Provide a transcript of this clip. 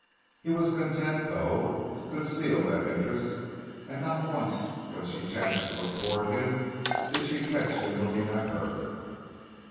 He was content, though, to conceal that interest, and not once when she chanced to look toward him did she catch him looking at her.